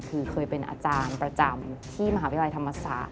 คือเคยเป็นอาจารย์ประจำที่มหาวิทยาลัยธรรมศาสตร์